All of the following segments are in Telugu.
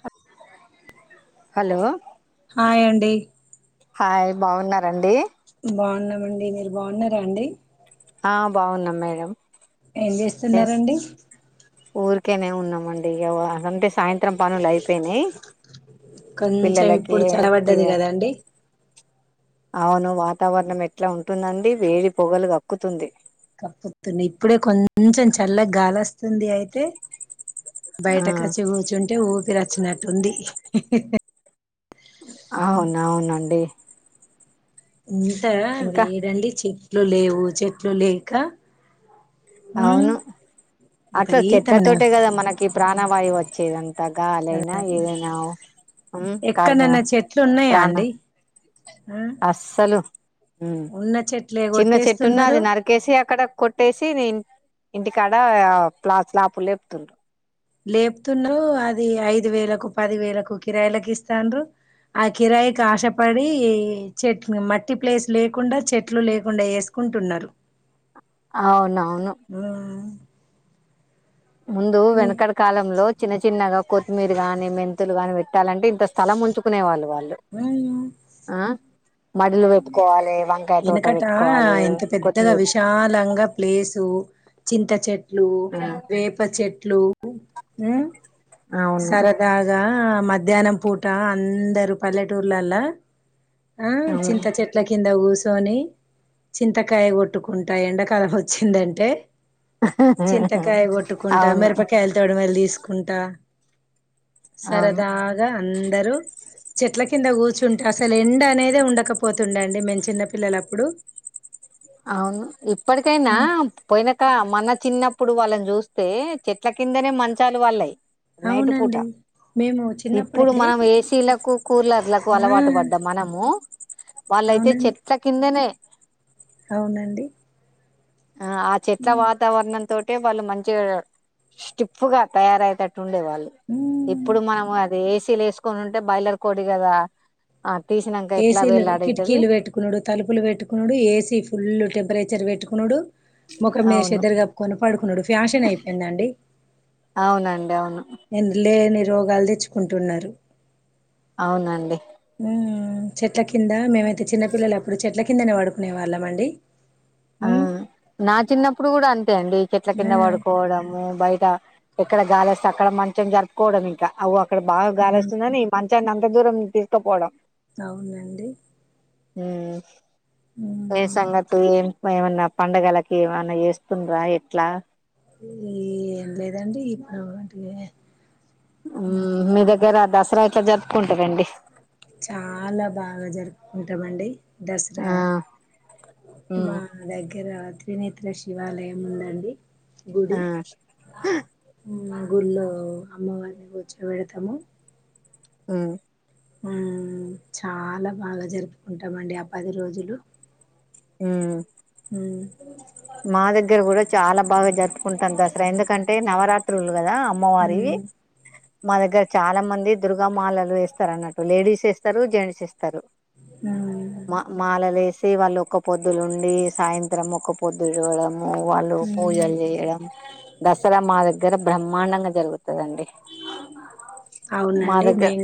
హ హలో హాయ్ అండి హాయ్ బాగున్నారంండి బాగున్నామండి మీరు బాగున్నారా అండి ఆ బాగున్నాం మేడం ఏం చేస్తున్నారంండి ఓేనే ఉన్నామండి ఇక అ అంటే సాయంత్రం పనులు అయిపోయినాయి కొంచెం పిల్లలకి ఇప్పుడు చలబడ్డది కదా అండి అవును వాతావరణం ఎట్లా ఉంటుందండి వేడి పొగలు కక్కుతుంది కప్పుతుని ఇప్పుడే కొంచెం చల్లకు గాలి వస్తుంది అయితే ఆ బయటక వచ్చి కూర్చుంటే ఊపిరి వచ్చినట్టు ఉంది అవున అవునండి ఇంకా ఇంకా వేడండి చె చెట్లు లేవు చెట్లు లేక ఉమ్ అవును అట్లా చెట్ల విపరీతమైన తోటే కదా మనకు ప్రాణవాయు వచ్చేదంతే తగాాలయినా ఏదైనా కార్ ఎక్కడన్నా చెట్లు ఉన్నాయా ప్రాణ అండి ఆ అస్సలు ఉన్న చెట్లే చిన్న చెట్టున్న అది కొట్టేస్తున్నారు నరికేసి అక్కడ కొట్టేసి నేను ఇంటికాడ ప్లాస్లాపు లేపుతుండ్ర లేపుతున్నారు అది ఐదు వేలకు పది వేలకు కిరాయిలకు ఇస్తన్నారు ఆ కిరాయికి ఆశపడి చెట్ మట్టి ప్లేస్ లేకుండా చెట్లు లేకుండా వేసుకుంటున్నారు అవునవును ఉమ్ ముందు వెనకడ కాలంలో చిన్న చిన్నగా కొత్తిమీర గాని మెంతులు గాని పెట్టాలంటే ఇంత స్థలం ఉంచుకునే వాళ్ళు వాారుు ఉమ్ ఆ అలు పెప్పుకోవాలి వెనకట ఇంత పెద్దగా విశాలంగా ప్లేసు చింత చేేట్ లు వేప చెట్టు లు అవును సరదాగా ఆ మధ్యాహ్నం పూట అందరుూ పల్లెటూర్లలా ఆ అవును చింత చెట్ల కింద సోని చింతకాయ కొట్టుకుంటా ఎండాకాలం వచ్చిందంటే చింతకాయ కొట్టుకుంటా అవును మిరపకాయలు తోడ వెళ తీసుకుంటా అవును సరదగా అందరుూ చెట్ల కింద కూర్చుంటే అసలు ఎండ అనేదే ఉండకపోతుండండి మన్న చిన్న పిల్లలప్పుడు అవును ఇప్పటికైనా పోయినాక మన చిన్న ఇప్పుడు వాళ్ళని చూస్తే చెట్ల కిందనే మంచాలు వాళ్ళయి నైట్ పూట అవునండి మేము ఇప్పుడు చిన్నప్పుడైతే మనం ఏసీలకు కూలర్లకు ఆ అలవాటు పడ్డాం మనము వాళ్ళైతే అవునండి చెట్ల కిందనే అవునండి ఆ ఆ చెట్ల వాతావరణంంతో అంటే వాళ్ళు మంచిగా స్టిప్ గా తయారయటట్టు డే వాళ్ళు ఉమ్. ఇప్పుడు మనం అది చీల్ వేసుకని ఉంటే బైలర్ కోడి కదా తీసినాక ఎట్లా ఏసీలు వేలాడైతది కిటికీలు పెట్టుకున్నాడు తలుపులు పెట్టుకున్నాడు ఏసీ ఫుల్ టెంపరేచర్ పెట్టు ట్కుోడు ముఖం మీద అవును శద్దరు కప్పుకొని పడుకున్నాడు ఫ్యాషన్ అయిపోయిందండి అవునండి అవును లేని రోగాలు తెచ్చుకుంటున్నారు అవునండి హ్మ్ చెట్ల కింద మేమైతే చిన్నపిల్లలు అప్పుడు చెట్ల కిందనే వాడుకునే వాళ్ళం అండి ఆ హ్మ్ నా చిన్నప్పుడు కూడా అంతే అంతే అండి కట్ల ఆ కింద పడుకోవడము బయట ఎక్కడ గాలిస్తే అక్కడ మంచం జరుపుకోవడం ఇంకా అవ ఇక్కడ బాగాలి హ్మ్ వస్తుందని ఈ మంచాన్ని అంత ఎ దూరం తీస్త పోడ అవునండి హ ఏ హ్మ్ సంగతి ఏమన్నా పంండగలకి ఏమన్నా చేస్తుండ్రా ఎట్లా ఈ ఏం లేదండి ఇప్పుడుటిక మీ దగ్గర దసరా ఇట్లా జరుపుకుంటారంండి చాలా బాగా జరుపుకుంటామండి దసరా ఆ మా ఉమ్ వ్గరా తనేత్ర శివాలయం ఉందండి ఆ గుడి మా ఊళ్లో అమ్మవారిని కూర్చో పెడతాము ఆ ఉ చాలా బాగా జరుపుకుంటామండి ఆ పది రోజులు హ హూ మా దగ్గర కూడా చాలా బాగా జరుపుకుంటాను దసరా ఎందుకంటే నవరాత్రులు కదా అమ్మవారివి హ్మ్ మా దగ్గర చాలా మంది దుర్గామాలలు వేస్తారు అన్నట్టు లేడీస్ వేస్తారు జెంట్స్ వేస్ స్తారు మా మాలలే టే వాళ్ళు ఒక్క పొద్దులు ఉండి సాయంత్రం ఒక పొద్దు చూడడం వాళ్ళు పూజలు చేయడం దసరా మా దగ్గర బ్రహ్మాండంగా జరుగుతుందండి మా అవునండి దగ్గర మేము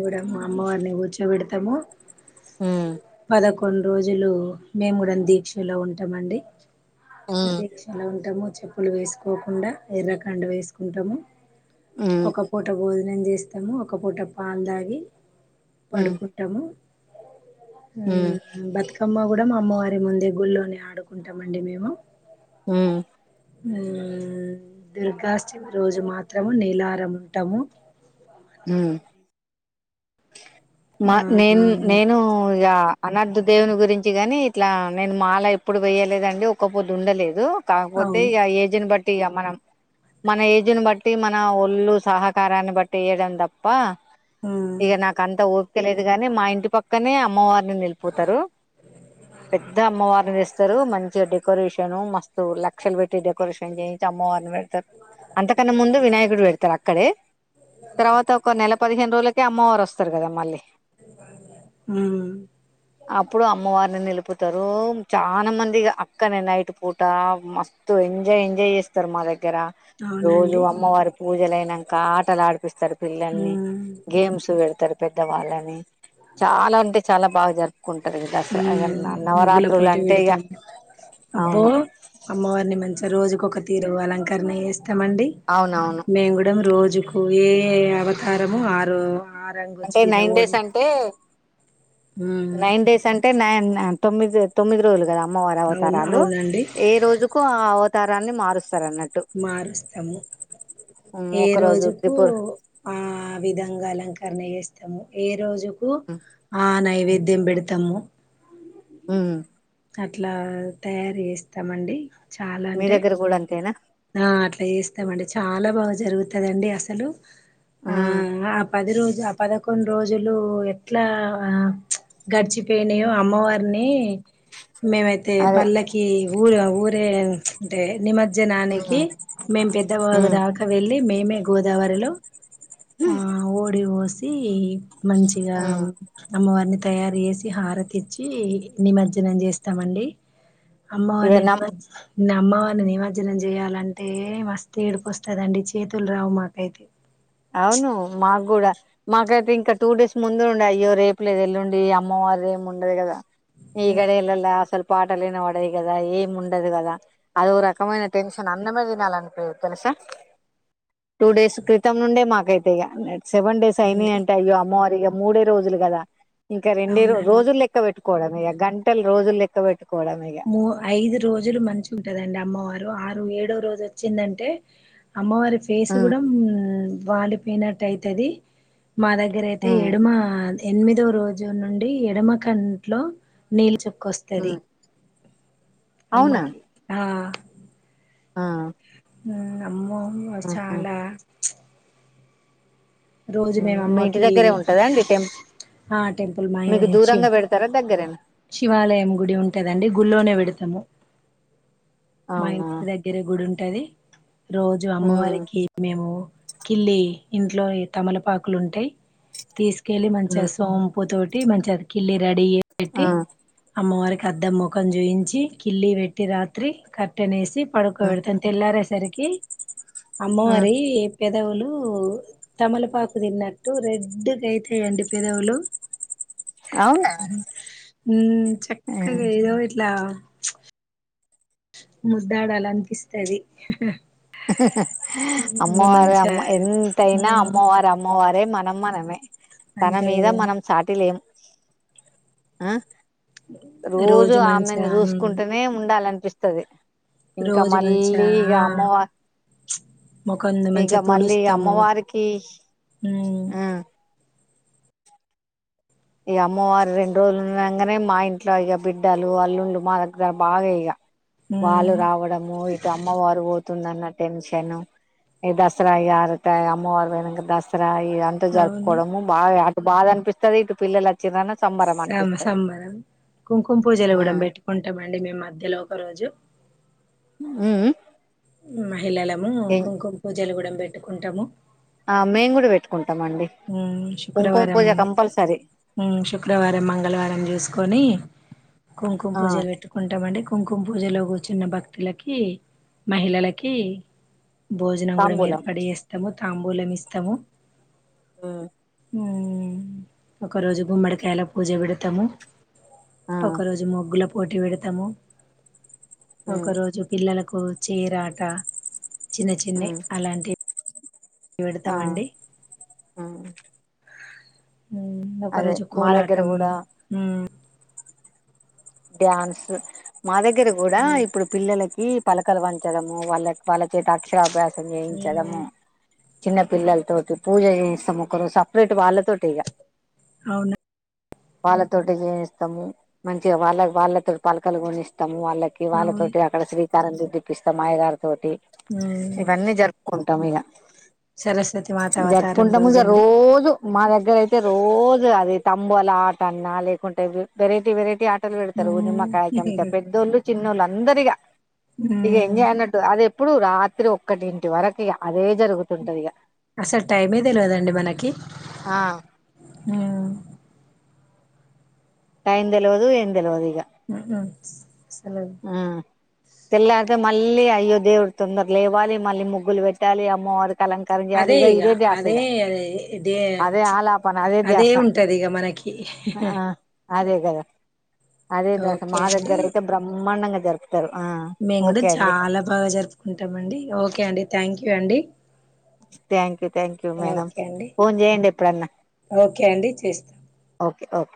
ఉమ్ పదకు కొన్ని రోజులు మేము కూడా దీక్షలో ఉంటామండి ఉమ్ డీఎస్ఉంటా ము చెప్పులు వేసుకోకుండా ఎర్రకాండ వేసుకుంటాము ఉమ్ ఒక పూట భోజనం చేసి స్తాం ఒక పూట పాలు దాగి ఉమ్ పడుకుంటాము హుమ్ బతుకమ్మ కూడా మా అమ్మ వారి ముందే గుడిలోనే ఆడుకుంటామండి మేము హుమ్ ఉమ్ దుర్గాష్టమి రోజు మాత్రము నీలారం ఉంటాము అ ఉమ్ మా నేన్ నేను ఇగా అనర్థ దేవుని గురించి గాని ఇట్లా నేను మాల ఎప్పుడు వయలేదండి ఒ పొద్దు ఉండలేదు కాకపోతే అవును ఇగ ఏజెన్ బట్ టి మనం మన ఏజ్ని బట్టి మన ఒళ్ళు సహకారాన్ని బట్టి వేయడం తప్ప ఆ ఇక నాకు అంత ఓపిక లేదు గాని మా ఇంటి పక్ క్కనే అమ్మవారిని నిలిిపోతారు పెద్ద అమ్మవారిని తెస్తారు మంచి డెకరేషన్ మస్తు లక్షలు పెట్టి డెకరేషన్ చేయించి అమ్మవారిని పెడ్ త్త అంతకన్నా ముందు వినాయకుడు పెడ్ తారు అక్కడే తర్వాత ఒక నెల పది హేను రోజు లక్ కి అమ్మవారు వస్తారు కదా మళ్ళీ ఉమ్ అప్పుడు అమ్మవారిని నిలుప్ తిప్పుతారు చాలా మంది అక్కనే నైట్ పూట మస్తు ఎంజాయ్ ఎంజాయ్ చేస్తారు మా దగ్ దగ్గర రోజు అవునండి అమ్మవారి పూజలుయినాక ఆటలు ఆడిపిస్తరు ఊ కూసోపెడతారు పెద్దవాళ్ళని చాలా అంటే చాలా బాగా జర్ ఊ ముగ్గుల పోటీ అంటే ఇక పెడతాము అబ్బో అవును అమ్మవారిని మంచిగా రోజు కొక తీరు అలంకణ వేస్త స్తమండి అవునవును మేము కూడమ్ రోజు జుకు ఏ అవతారము ఆరో అంటే నైన్ డేస్ అంటే ఉమ్ నైన్ డేస్ అంటే నైన్ నా తొమ్మిది తొమ్మిది రోజులు కదా అమ్మవారి అవును అవతారలు అవునండి ఏ రోజుకు ఆ అవత తారాన్ని మారుస్త మారుస్తాము ఉమ్, ఏ ఒక రోజు రోజుకు త్రిపుర్ ఆ విధంగా అలంకరణ చేస్త్ తము ఏ రోజు ఆ నైవేద్య ద్యం పెడతము ఉ అట్లా తయారు చేస్తామండి చాలా మీ అంటే దగ్గర కూడా అంతేనా ఆ అట్లా చేస్తమండి చాలా బాగా జరుగుతదండి అసలు ఆ ఉమ్, ఇంగ అప్ పది రోజు ఆ పదకొండు రోజులు ఎట్లా ఆ చ్ గడిచిపోయినాయో అమ్మవారిని మేమైతే అదే పల్లకి ఊరే ఊరే అంటే నిమజ్జనాని ఉమ్, కి మేం పెద్ద బాగు ఉమ్, దాకా వెళ్ళి మేమే గోదావరిలో ఆ ఓడిఓస్ దీ మంచిగా ఉమ్. అమ్మవారిని తయారు చేసి హారతిచ్చి నిమజ్జనం చేస్తామండి ఇక అమ్మవారిని నమ్ నిమజ్ నమ్మవారిని నిమజ్జనం చేయాలా అంటే మస్త ఏడిపో వస్తదండి చేతులు రావు మాకైతే అవును మాకు కూడా మాకైతే ఇంకా టూ డేస్ ముందు ఉండడి అయ్యో రేపు లేదు ఎల్లుండి అమ్మవారు ఏమి ఉండదు కదా ఈగడలలా స్వల్ప పాటలునా పడవి కదా ఏం ఉండదు కదా అద ఒక రకమైన టెన్షన్ అందమే తినాలనిప తెలుసా టూ డేస్ క మత్తం నుండే మాకైతే ఇ సెవెన్ డేస్ అయి అవునండి అంట అ్యో అమ్మవారిగా మూడే రోజులు కదా ఇంకా రెండే అవునండి రోజులులెక్క పెట్టు వ గంటలు రోజులు లక్క పెట్టు మూ ఐదు రోజులు మంచి ఉంటదండి అమ్మవారు ను ఏడో రోజు వచ్చిందంటే అమ్మవారి ఫేస్ ఉమ్, కూడా ఉహ్ వాళిపోయినట్టు అయితది మా దగ్గర అయితే ఉమ్, ఎడుమా హా ఎనిమిదో రోజు నుండి ఎడమ కంట్లో నీళ్ళ చొప్పు కోస్తాది ఉమ్. అవునా అమ్మాకి ఆ ఆ ఉహ్ ఆమ్మో మ ఆహా. చాలా రోజు ఆ, మీ ఇంటి మేముమ్మకి దగ్గరే ఉంటదా అండి టెం ఆ టెంపుల్ మా మీకు శివ దూరంగా పెడతారా దగ్గరేనా శివాలయం గుడి ఉంటదండి గుోనే పెడతాము మా అవునా ఇంటి దగ్గరే గుడి ఉంటది రోజు ఉమ్, అమ్మవారికి మేము కిల్లి ఇంట్లో తమలపాకులు ఉంటాయి తీసుకెళ్ళి ఉమ్, మంచిసోంపుతో మంచి కిల్లి రెడీ ఆ, కట్టి అమ్మ వారికి కద్ద ముఖం చూయించి కిల్లి పెట్టి రాత్రి కట్టెనేేసి ఉమ్, పడుకోబెడుతది తెలరిసరికి ఓకే ఉమ్. అమ్మవరి ఏ పేదవులు తమలపాకు తిన్నట్టు రెడ్గా అయితాయిడి పెదవులు అవునా ఉహ్ ఉమ్. చక్కగా ఏదో ఇట్లా ముద్దాడాల అనిపిస్తాది అహుహ్ అమ్మవారు అమ్మా ఎంతైనా ఉమ్ అమ్మవారు అమ్మవారే అదే మనమ్మననేే తన అంతే మీద కదండి మనం చాటిలేం ఆ రోజు మంచిగా ఆమెను ఉమ్ చూసుకుంటూనే ఉండాలంట పిస్తది ఇంకా రోజు మంచిగా మళ్ళీ ఆ అమ్మవ ముఖం ఇక మంచిగా మళ్ళీ తుడుస్తాము అమ్మవారికి ఉమ్ ఆహ్ ఈక అమ్మవారి రెండు రోజులు ఉన్నాగానే మా ఇంట్లో ఇక బిడ్డలు అల్లుంళలు మా దగ్గర బాగా ఇక వాళ్ళు ఉమ్ రావడము ఇటు అమ్మవారు పోతుద్దన్న టెన్షన్ దసరా అమ్మవారు పోక దసరా ఇదంతా అవును జరుపుకోవడము బాగా బాగా అనిపిస్తుది ఇటు పిల్లలు వచ్చరా అన్నట్టు సం సంబరం కుంకుమ పూజలు ఆ కూడా పెట్టుకుంటామండి మే మధ్యలో ఒక రోజు ముఉమ్ ఉమ్ పిల్లలం కుంకుమ పూజలు కూడా పెట్డుకుంటాము ఆ మేమ్ కూడా పెట్టుకుంటు ఉమ్ శుక్రవారం కంపల్సరీ ఉమ్ శుక్రవారం మంగళవారం చూసుకొని కుంకుమ ఆ పూజలు పెట్టుకుంటామండి కుంకుమ పూజలో కూర్చున్న భక్తులకి మహిళలకి భోజనం కూడా తాంబూలం ఏర్పాటు చేస్తాము తాంబూలం ఇస్తాము ఆ ఉమ్ ఒక రోజు గుమ్మడికాయల పూజ పెడతాము ఒక రోజు ముగ్గుల పోటీ పెడతాము ఒక రోజు పిల్లలకు చేరాట చిన్న చిన్నయి అలాంటివి ఆ పెడతామండి ఉమ్ ఉమ్ ఒక రోజు కోలాటం కూడా ఉమ్ డ్యాన్స్ మా దగ్గిర కూడా ఇప్పుడు పిల్లలకి ఈ పలకలు వంచడము వాళ్ళ వాళ్ళ చేత అక్షరాభ్యాసం మ్మ్. చేయించడము చిన్న పిల్లలతోటి పూజ జేస్తాం ఒకరు సపరేట్ వాళ్ళతోటి ఇగ అవును వాళ్ళతోటి జేస్తాము మంచి వాళ్ళ వాళ్ళతో పలకలు కొనిస్తాం ము వాళ్ళకి అవును వాళ్ళతోటి అక్కడ శ్రీ [unintelligible] తోటి మ్మ్. ఇవన్నీ జరుపు కొంటాం ఇగ సరస్వతి మాత అవతారం జరుపుకుంటా మిగ రోజండి రోజు మా దగ్గర అయితే రోజు అదిై తంబుల ఆట అన్నా లేకుంటే వెరైటీ వెరైటీ ఆట వెడతారు నిమకాయ చెంచా మ్మ్. పెద్దళ్లు చిన్నోళ్లు అందరిగా ఇగ ఉమ్ ఎంజాయ్ అన్నట్టు అదే ఇప్పుడు రాత్రి ఒక్కటింటి వరకి అదే జరుగుతుంటది ఇక అసలు టైమే తెలివదండి మనకి ఆ టైంద దెల్వదు ఏంద దెల్వదు ఇగ ఊ ఆ తెల్లారితే మళ్ళీ అయ్యో దేవుడి తొందరు లేవాలి మళ్ళీ ముగ్గులు బెట్టాలి అమ్మవారికి అలంకారం చేయాలి అదే ఇక ఇగ ఇదే ధ్యాస ఇక అదేే అదే ఆలాపన అదే ధ్యాస ఉంటది ఇక మనకి ఆ, అదే గదా అదేదాస ఓకే మా అండి దగ్గర అయితే బ్ర మాండంగా జర మేము గూడా చాలా బాగా జరుపుకుంటామండి ఓకే అండి థ్యాంక్ యూ అండి thank you thank you madam okay అండి ఫోన్ జేయండి ఎప్పుడన్నా ఓకే అండి చేస్తా ఓకే ఓకే